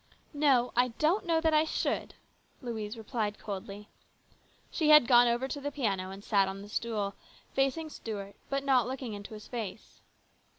" No ; I don't know that I should," Louise replied coldly. She had gone over to the piano and sat down on the stool, facing Stuart, but not looking into his face.